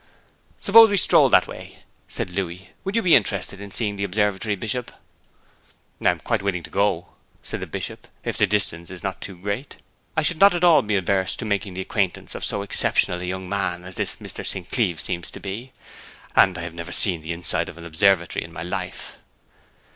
'Suppose we stroll that way?' said Louis. 'Would you be interested in seeing the observatory, Bishop?' 'I am quite willing to go,' said the Bishop, 'if the distance is not too great. I should not be at all averse to making the acquaintance of so exceptional a young man as this Mr. St. Cleeve seems to be; and I have never seen the inside of an observatory in my life.'